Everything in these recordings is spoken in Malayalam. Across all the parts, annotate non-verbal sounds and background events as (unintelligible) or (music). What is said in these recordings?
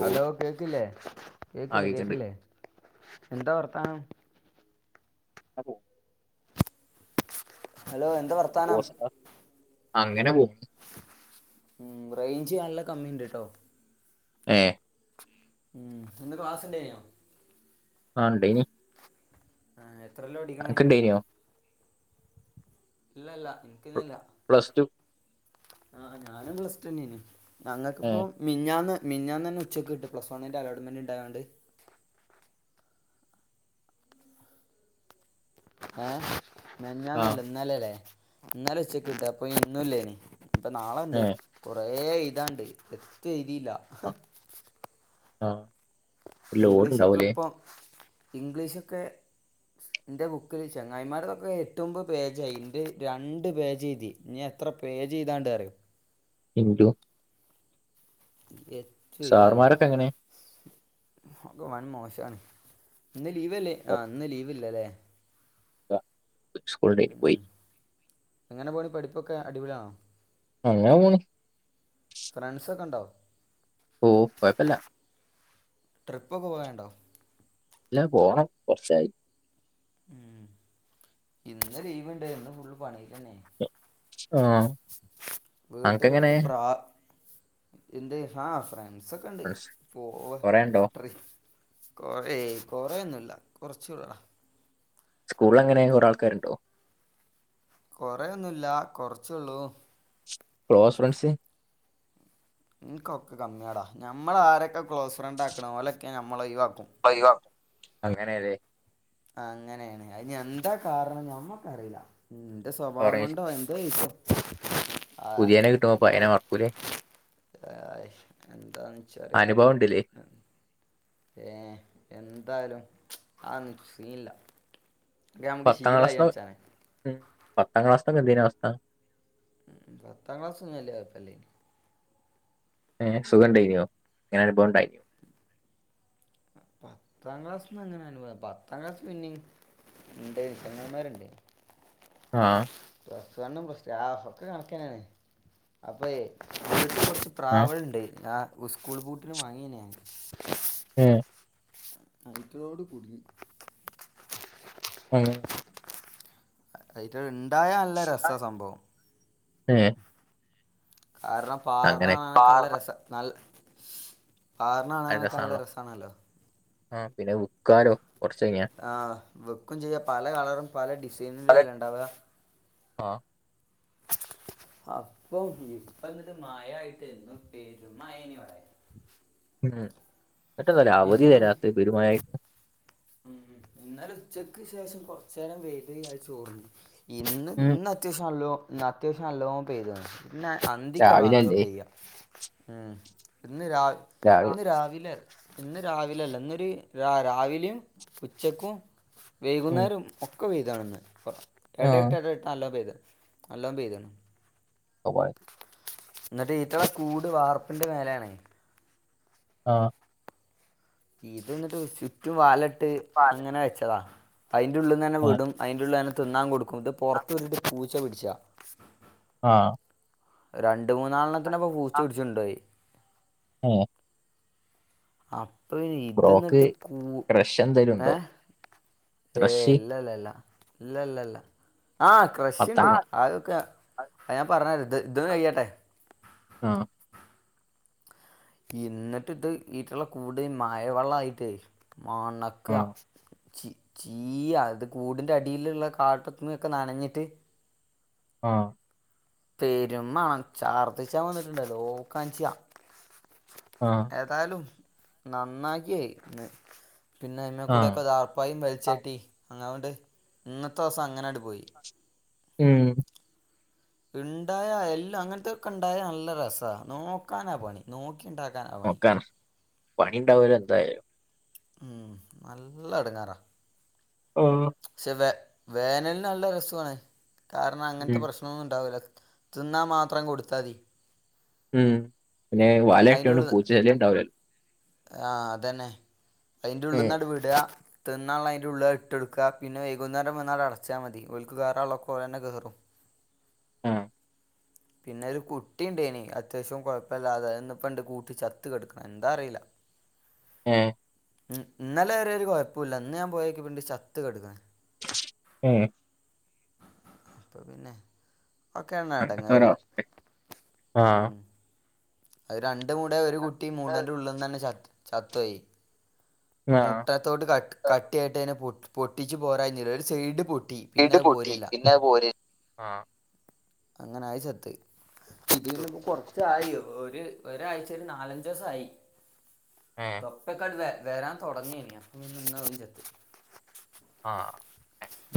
ഹലോ കേക്കില്ലേ ആ കേക്കില്ലേ കേക്ക്ണ്ട് കേക്കില്ലേ എന്താ വർത്താനം..... അപ്പോ...... ഹലോ എന്താ വർത്താനം..... കോസ് അങ്ങനെ പോകും....... ഉ റേഞ്ച് നല്ല കമ്മി ഉണ്ട്ട്ടോ........ ഏ....... ഇന്ന് ക്ലാസ് ഉണ്ടായ്നോ...... ആണ്ടൈനി...... ആ എത്രല്ലോ പഠിക്കുന്നയ്.. ഇല്ല ഇല്ല എനിക്കി..... പ്ലസ് ടു....... ആ് ഞാനും പ്ലസ് ടു ഏ ഞങ്ങൾക്കിപ്പോ മിഞ്ഞാന്ന്...... മിഞ്ഞാൻന്നെ ഉച്ചക്ക് വിട്ടു പ്ലസ്ണ്ന്റെ അലോട്ട്മെന്റ് ഉണ്ടായാണ്ട്..... ഏ ആ മിനിഞ്ഞാന്ന് ഇന്നലല്ലേ ഇന്നല ഉച്ചക്കിട്ട അപ്പൊ ഇന്നല്ലേനി...... ഇപ്പൊ നാളെുണ്ട് ഏ കൊറേ എഴുതാണ്ട് വത് എഴുതിയില്ല..... ആഹ...... ഇംഗ്ലീഷൊക്കെ ഇപ്പം ഇംഗ്ലീഷൊക്കെ....... എന്റെ ബുക്കിൽ ചങ്ങായിമാരുൊക്കെ ഏറ്റുമപത് പേജായി എന്റെ രണ്ട് പേജ്തി എത്ര....... പേജ് എഴുതാൻ ഇണ്ടന്ന് അറിയോ..... ഇന്ദു....... (inaudible) സർ എഴുതല്ല മാരൊക്ക എങ്ങനെ...... ഒക്കെ വൻ മോശമാണ് ഇന്ന് ലീവല്ലേ ആഹ ഇന്ന് ലീവ്ല്ല..... സ്കൂൾ ഡ പോയി...... എങ്ങനെ പോണ പഠിപ്പൊക്കെ അടിപൊളിയാണോ...... അങ്ങനെ പോണ് ഫ്രണ്ട്സ ഒക്കെ ഉ..... കുഴപ്പല്ല........ ട്രിപ്പൊക്കെ പോയണ്ടോ....... ഇല്ലാ പോണം കുറച്ചായി....... ഇന്ന് ലീവുണ്ട് ഇന്ന് ഫുള്ള് പണിന്നെ...... ആഹ വീട്ടിൽ അനക്ക് എങ്ങനെ...... കുറച്ച് പ്രാ എന്ത് ആ ഫ്രൻഡ്‌സൊക്കെ ണ്ട് ഫ്രണ്ട്സ് പോവും കൊറേ ഇണ്ടോ ട്രി കൊറേ കൊറെയൊന്നുല്ല കൊറച്ചൊക്കെ സ്കൂളെങ്ങനെ കൊറേയാൽകാറുണ്ടോ കൊറെയൊന്നുല്ല കൊറച്ചുള്ളൂ ക്ലോസ് ഫ്രെണ്ട്സ് ഉം എനിക്ക് കമ്മിടാ ഞമ്മളെ ആരൊക്കെ ക്ലോസ്സ് ഫ്രണ്ടാക്നെ ഓലെക്കെ ഞമ്മളെ ഒഴിവാക്കും ഒഴിവാ അങ്ങനെയല്ലേ അങ്ങനെയാണ് അത് ഇന്ഹജ് എന്താ കാരണം ഞമ്മക്കറീല ന്റെ ശോഭവം പറഞ്ഞ കൊണ്ടോ.. പുതിയനെ കിട്ടുമ്പം പയേനെ മറക്കൂലേ ആയി എന്താണ് ഇച്ചറീല അനുഭവം ഉണ്ടല്ലേ ഏ എന്തായാലും അതൊന്നും സീനില്ല ക്ക ഞമ്മക് പത്താം ശീലായി ക്ലാസ്ന്ന് ഇച്ചാനെ ഉം പത്താം ക്ലാസ്സ്തക്കെ എന്തേനി അവസ്ഥ പത്താം ക്ലാസ്സൊന്നും വല്ല്യ കൊയപ്പല്ലെനി ഏ സുഖം ണ്ടെനിയോ എനിക്കൊരെനുഭവം ണ്ടേനി പത്താം ക്ലാസ്സിന്ന് ങ്ങനെ അനുഭവ പത്താം ക്ലാസ്സ്‌ പിന്നിം ഇന്റെ ചെങ്ങായി മാര് ണ്ടേനി ആ പ്ലസ് വണ്ണും പ്ലസ്റ്റും ഒക്കെ കണക്കാന്നെനി അപ്പയെ ച്ച് ആഹ് പ്രാവെള് ണ്ട് ആ സ്കൂൾ പൂട്ടിന് വാങ്ങാനി ഞാന് ഏ ഐറ്റങ്ങളോട് കുടിങ്ങി ആ അയ്റ്റേൽ ണ്ടായാൽ നല്ല രസ സംഭവം ഏ കാരണം പാർണ ആകല്ല രസം നൽ പാറിന് കാണാനൊക്കെ നല്ല രസാണല്ലോ ആ പിന്നെ വിക്കാനും കുറച്ച് കഴിഞ്ഞ വിക്കും ചെയ്യാ പല കളറും പല ഡിസൈനില്ലെ ഇണ്ടാവാ ആ അപ്പം ഇപ്പംന്നട്ട് മയായിട്ട് ന്ന് പെരുമയെനി ഇവിടെ ട്ടന്താ അവധി എന്നും തരാത്തത്പേരു മയായിട്ട് ഉം ഇന്നലെ ഉച്ചക്ക് ശേഷം കൊറച്ചേരൻ പൈത അത് ചോർന്ന് ഇന്നും ഉം ഇന്ന് അത്യവാശീയം ല്ലോ അത്യാവസ്സിയും നല്ലോം പൈതക്കന് ല്ല അന്തിക ബാങ്ക് രാവിലെയല്ലേ കൊടുത്തയയ്യാ ഇന്ന് രാവ്‌ രാവിലെ ഇന്ന് രാവിലെ ഇന്ന് രാവിലെല്ല ഇന്നൊരു രാവിലിം ഉച്ചക്കും ഉം വൈകുന്നേരും ഒക്കെ വെയിലാണ് പ്പ ആഹ് എടട്ട് എടട്ട് നല്ലോം പൈതകിന് (unintelligible) ന്നട്ട് എത്ര കൂട് വാർപ്പിന്റെ മേലേണ് ആ ഇത് ന്നട്ട് ചുറ്റും വലട്ട് അങ്ങനെ വച്ചതാ അയിന്റെള്ളന്നന്നെ ഏഹ് വിടും അയിന്റെള്ളുഞങ്ങൾ തിന്നാൻ കൊടുക്കും ഇത് പൊറത്ത് നിന്നിട്ട് പുച്ച പിടിച്ച ആ രണ്ട് മൂന്നാലതിനെ ഇപ്പം പുച്ച പിടിച്ചോണ്ട് പോയി ആ ആ ഫ്രോക് റഷ്യ ന്തേലും ഏ ണ്ടാ ഏ ഇല്ല ലാ ല്ലാ ഇല്ലല്ലല്ല. ആ.. പത്താം ക്രഷുണ്ട്. ക്ലാ ആതൊക്കെ ആ ഞാൻ പറഞ്ഞെര. ഇത് ഇത് കയ്യട്ടെ. ആ ഇന്ന്ട്ട്ത് ഈട്ടേലെകൂടെ മയ വല്ലായിട്ടെ. മണക്ക ആഹ് ചി ചീ അത് കൂടിന്റെ അടിയിലുള്ള കാട്ടത്ത ഒക്കെ നനഞ്ഞിട്ട്. ആ പെരുമ്മണം. ചാർത്തിച്ചാബെന്നിട്ടിൻടെല്ലോ. ഓക്കാൻചാ. ആഹ് ഏതായാലും നന്നാക്കിയേ. പിന്നെ അയ്മക്കൂടെ ആഹ് ഒക്കെ ദാർപ്പായി. ചേട്ടി അങനൊണ്ട് ഇന്നതോസം അങ്ങനെആണ്ട് പോയി. ഉം, ഇണ്ടായാ എല്ലാം അങ്ങനത്തൊക്കെ ഇണ്ടായ നല്ല രസ. നോക്കാനാ പണി. ഇൻടാക്കാനാ പണി. നോക്കാണ് പണി ഇണ്ടാവല്ലോ എന്തായാലും. ഉം, നല്ല എടുങ്ങാറാ. ആ പക്ഷെ വേ വേനൽന് നല്ല രസോണ്. കാരണം അങ്ങനത്തെ ഉം. പ്രശ്നൊന്നും ഇണ്ടാവൂല തിന്നാ മാത്രം കൊടുത്താതി. ഉം പിന്നെ വലയട്ടോണ്ട് ഉള്ളിൽ പൂച്ചചെലിം ഉണ്ടാവില്ലല്ലോ. ആഹ്, അതന്നെ. അയിന്റെ ഉം. ഉള്ള്ന്നാണ്ട്വ്ടാ. ത്ത്ന്നാളേള അഇന്റെ ഉള്ള്ലാൻഡ് ഇട്ടൊട്ക. പിന്നെ വൈകുന്നേരം വന്നാൻട് അടച്ചാ മതി. ഓൽക് കേറാള്ളൊക്കെ ഓലെന്നെ കേറും. (inaudible) ആഹ്, പിന്നെ ഒരു കുട്ടി ഉണ്ടേനി അത്യാവശ്യം കൊഴപ്പല്ലാതെ. ഇപ്പണ്ട് കൂട്ടി ചത്ത് കട്ക്ക്ണ് എന്താ അറീല. ങേ, ഇന്നലെ വരേ ഒരു കൊയപ്പഇല്ല. ഇന്ന് ഞാൻ പോയോക്യപ്പൻട് ചത്ത് കട്ക്ക്ണ്. ഉം. അപ്പൊ പിന്നെ. ഒക്കെയണ് അങ്ങനത്തെ എടങ്ങേറ്. ഒരവസ്ഥ ആ ഉം.. അഹ് രണ്ട്. അയിന്റെ കൂടെ ഒരു കുട്ടി മുടന്റെ ഉള്ള്ന്നെന്നെ ചത്തോയി. ആ മുട്ടത്തോട് ക കട്ടിയായിട്ട് അയ്ന് പൊട്ടിച്ചു പോരാൻകൈഞ്ഞില്ല. ഒരു സൈഡ് പിന്നെ ഇട് അത് പൊട്ടി പോരില്ല പിന്നെ അത്പോര്. ഉം.. അങ്ങനെ അഹ് ചത്ത്. ഉം. ഇത്പ്പം കൊറച്ചായോ? ഒരു ഒരായ്ചേല് ഒരു നാലഞ്ചോസായി ഏ തൊപ്പക്ക (unintelligible) വരാൻ തോഡങ്ങേനി അപ്പൊപിന്നെ ഇന്നും ഒന്ന് ചത്ത്‌. ആഹ്,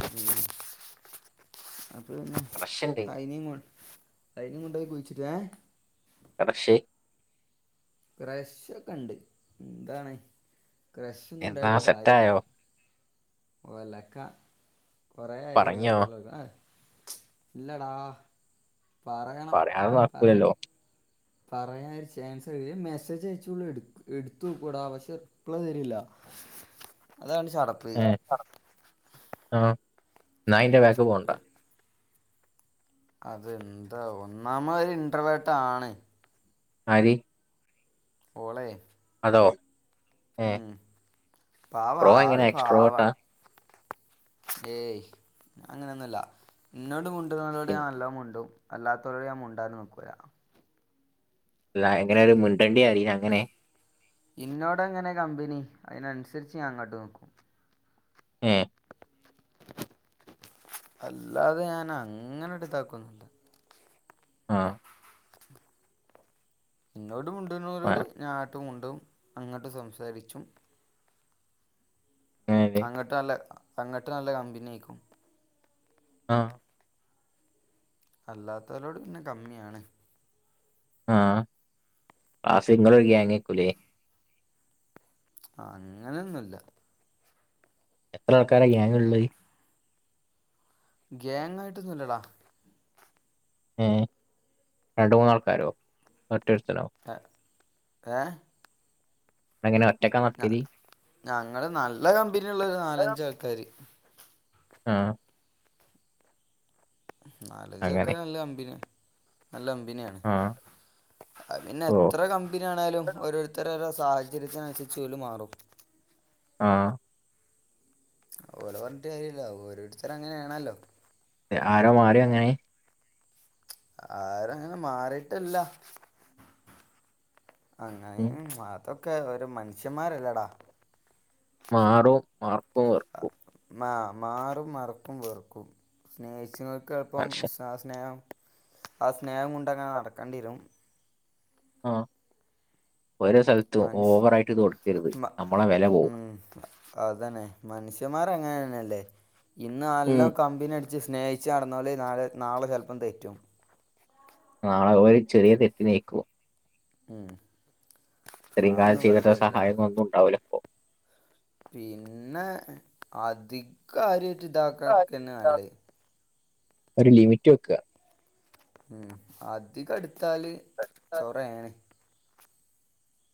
ഉം. അപ്പൊ പിന്നെ കറക്ഷൻ്റെ അയ്നിം. അയ്നിം കൊണ്ടോയി കുയിച്ചിട്ട്. ങേ, പടക്ഷേ? ക്രഷോക്കെ ഇണ്ട് എന്താണ്? ക്രഷ്ഒന്നും എന്നാ ഇണ്ടായിട്ട് കാര്യല്ല. സെറ്റായോ ഒലക്ക, കുറേ ആയി പറഞ്ഞോ? വൈദ്യുതി ഇല്ലടാ.... പറയാതെ നടക്കൂലല്ലോ? പറയാനൊരു ചാൻസ് മെസ്സേജ് അയചോള് ഇ ട്ത്തോക്കെടാ പക്ഷേ റിപ്ലൈ തരൂല. അതാണ് ചടപ്പ്. ആഹ്, ന്നായ്ന്റെ ബേക്ക് പോണ്ട. അതെന്താ ഒന്നാമഅഹ് ഒരു ഇന്റർവേട്ട ആണ്. ആര്? ഓളെ? ഓ ഉം പാവ ആള് ബ്രോഎങ്ങനെ പാവ എക്സ്ട്രോവർട്ടാ? ഏയ് അങ്ങനെയൊന്നുല്ല. ഇന്നോട് മുണ്ടുന്നോടെ പിന്നെ നല്ലാം മുണ്ടും അല്ലാത്തരോടെ ഞാൻ മുണ്ടാൻ നിക്കൂല അല്ല എങ്ങനെ ഒരു മുൻണ്ടടിയെ അറീല അങ്ങനെ ഇന്നോട്ങ്ങനെ കമ്പനി അതയിനനുസരിച്ച് ഞാൻ അങ്ങോട്ട് നോക്കും. ഏഹ്? അല്ലാതെ ഞാൻ അങ്ങനെ എടുത്താക്കൊന്നല്ല ആ ഇന്നോട് ആ മുണ്ടരോട് ഞാട്ടും മുണ്ടും അങ്ങോട്ട് സംസാരിച്ചും അങ്ങനെല്ലേ അങ്ങട്ട് നല്ല അങ്ങട്ട് നല്ല കമ്പനി ആയിരിക്കും ആ അല്ലാത്തവരോട് പിന്നെ കമ്മിയാണ്. ആ! ആ സിംഗലൊരു ഗ്യാങ കുലെ ആ അങ്ങനെയൊന്നുമല്ല! എത്ര ആൾക്കാരാ ഗ്യാങ്ങിൽ ഉള്ളത്? ഗേങ്ങ ആായിട്ടൊന്നുംല്ലടാ ഏ രണ്ട് മൂന്നാൾക്കാരോ? ഒറ്റരുത്താനോ? ഏ? അങ്ങനെ ഞ ഞങ്ങള് നല്ല കമ്പനിയള്ള ഒരു നാലഞ്ച ആൾക്കാാര് ആഹ! നാലഞ്ചക്ക അങ്ങനെ നല്ല അമ്പിന നല്ല കമ്പനിയ ആാണ് ആഹ് പിന്നെ ഓഹ് എത്ര കമ്പനിയ ആണാലും ഓരോരുത്തര സാഹചര്യത്തിനനുസരിച്ച്ല് മാറും ആ ഓലോ പറഞ്ഞിട്ട് കാര്യല്ലോ. ഓരോരുത്തരും അങ്ങനൊണല്ലോ. ആരോ മാര്യോ അങ്ങനെ? ആരങ്ങനെ മാറിട്ടല്ല. ഉം അങ്ങനെ അതൊക്കെ ഒരു മനുഷ്യന്മാരല്ലടാ മാറൂ മർക്കും വർക്കൂ മാ മാറും മറക്കും വെറുക്കും സ്നേഹിച്ചങ്ങൾക്ക് എളുപ്പം മനുഷ്യൻ ആ സ്നേഹം ആ സ്നേഹം കൊണ്ട അങ്ങനെ നടക്കാണ്ടിരും ആ ഓരോ സ്ഥലത്തും മനുഷ്യ ഓവറായിട്ട് ഇത് കൊടുക്കരുത് മ നമ്മളെ വില പോവും ഉം അതന്നെ മനുഷ്യന്മാർ എങ്ങനെന്നെല്ലേ. ! ഇന്ന് ഉം എല്ലാം കമ്പിനട് ച്ച് സ്നേഹിച്ചച്ച് നടന്ന പോലല് നാളെ നാളെ ചെല്പ്പം തെറ്റും നാണ ഒരു ചെറിയ തെറ്റി നീക്കും ഉം ഇത്രയും കാലം അതൊന്നും പറഞ്ഞിട്ട് ചെയ്തരു കാര്യല്ല സഹായം ഒന്നും ഉണ്ടാവില്ല പിന്നെ അധികാര്യട്ട് ഇതാകാ ക്കന്നെ നല്ലേ. ഒരു ലിമിറ്റ് വെക്ക. ഉം അധികടുത്താല് ചൊറേണ്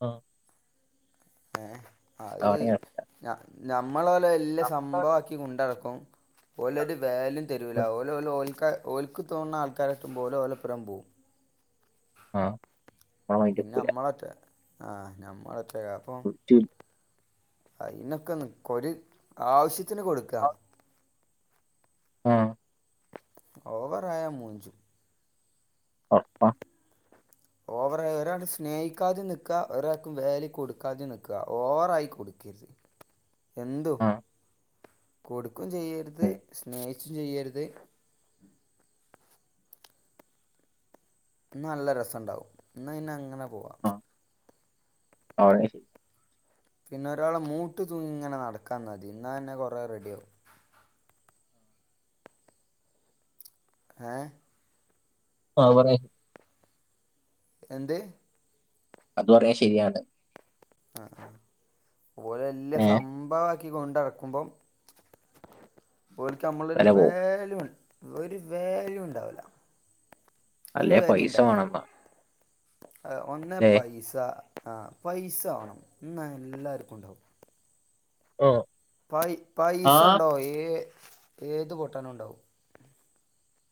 ആ ഏ അത് നഞമ്മള പോലെ വല്ല ആഹ് സംഭവ ആക്കി കൊണ്ടടക്കും ഓലൊരു വാല്യും തരൂല ഓലോൽ ഓൽക്ക ഓൽക്ക് ഓല് തോന്നുന്ന ആൾക്കാരട്ടും പോലെ ഓലപ്പുറം പോവും ആ മൈൻഡ് പിന്നെ വെക്കൂല നമ്മളൊറ്റ ആഹ നമ്മളറ്റക്ക അപ്പൊ വിളിച്ചില്ല അയിതിനൊക്കോരു ആവശ്യത്തിന് കൊടുക്ക ആഹ..... ഓവറായ മൂഞ്ചും അ അ ഓവറായി ഒരാൾ സ്നേഹിക്കാതെ നിക്ക ഒരാൾക്ക് വേലി കൊടുക്കാതെ നിക്ക ഓവറായി കൊടുക്കരുത് എന്തു ആ കൊടുക്കും ചെയ്യരുത് ഉം, സ്നേഹിച്ചും ചെയ്യരുത്. ന്നാ നല്ല രസുണ്ടാവും ന്നയിനെ അങ്ങനെ പോവാ ആ (unintelligible) പിന്നെ ഒരാള മൂട്ടി തൂങ്ങിങ്ങനെ നടക്കാതിന്നാതി.. ന്നാ തന്നെ കൊറെേ റെഡിയാവ ങേ.... ങാ... പറയ്... എന്ത്....? അത് കൊറേ... ശരിയാണ്. ങാ.. ങ.. ഓല് വല്യ ഏ സംഭവ ക്കി കൊണ്ടടക്കുമ്പം... ഓല്ക്ക് മ്മളൊരു വില പോവും വേലയ ഒരു വാല്യൂ.. ണ്ടാവൂല. അല്ലേ പൈസ വേണപ്പാ... ആ.. ഒന്നേ പൈസ.. ആ.. പൈസ വേണം. ന്ന.. എല്ലാവർക്കും ഉണ്ടാവും. ഓ.. പൈ.. ആ പൈസ ണ്ടോ.. ഏ.. ഏത് പൊട്ടനുണ്ടാവും.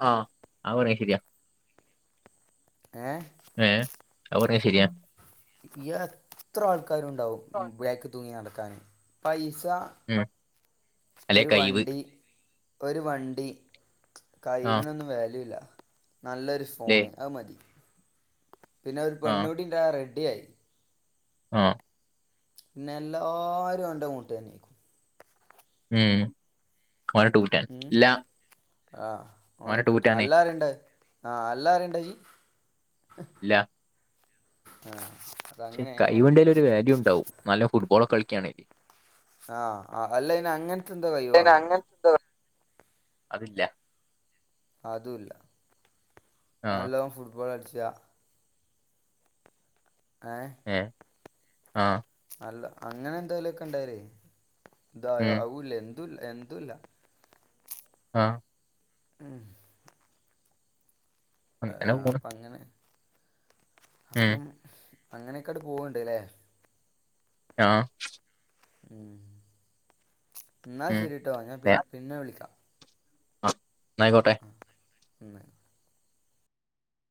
ങാഹ്.. ആ പറഞ്ഞ ശരിയാ. ങേ... ങേ... ആ പറഞ്ഞ ശരിയാന്ന്. എത്ര... ആൾക്കാരുണ്ടാവും മ്മ്.. ബാക്ക് തൂങ്ങി നടക്കാന്. പൈ സ ഉം അല്ലേ ഒരു കൈവ് വണ്ടി.. ഒരു വണ്ടി.. ആ കഴിവിനൊന്നും വാല്യൂ ഇല്ല. നല്ലൊരു അല്ലേ ഫോണ്... അത് മതി. പിന്നെ.. ഒരു പെണ്ണൂഡിണ്ടായ റെഡ്ഡിയായി. ങാ.. ഹ്... പിന്നെ എല്ലാരും... അവ്ന്റെ മൂട്ടിവന്നിക്കും. ഉം... (unintelligible) ല്ലാ... ങാ.. ഹ്... അവനെ (unintelligible) അല്ലാരുണ്ട്... ങാ.. ഹ് അല്ലാരുണ്ട് (unintelligible) ഇല്ല.. ങാ... പക്ഷെ... കഴിവൊണ്ടേല് ഒരു വാല്യു ണ്ടാവും... നല്ല ഫുട്ബോളൊക്ക കളിക്കാണേല്. ങാ... ഹ്.. അ.. അല്ലേന്നെ അങ്ങനത്തെന്തേ കഴിവേണം. അങ്ങനത്തെ എന്താ അതില്ല. അതുംല്ല.. ആ നല്ലതും ഫുട്ബോൾ (unintelligible) ങേഹ്.. ഏ ആ അല്ല അങ്ങനെന്തേലൊക്കെണ്ടായാല് ഉം (unintelligible) ങാ... മ്മ്..... ങാ... അങ്ങനെ ഹ് പോണ് അപ്പങ്ങനാ.. ഉം അപ്പം.. അങ്ങനക്കട് പോവണ്ട്ലെ... ങാ... മ്മ്... ന്നാ ഉം ശരിട്ടോ.. ഞാൻ പി.. ദേ, പിന്നെ വിളിക്കാം. ആ.... ന്നായിക്കോട്ടെ. മ്മ്...